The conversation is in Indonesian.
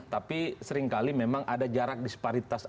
tapi seringkali memang ada jarak disparitas